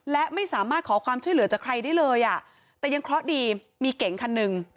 และไม่สามารถขอความช่วยเหลือจากใครได้เลยอ่ะแต่ยังเคราะห์ดีมีเก๋งคันหนึ่ง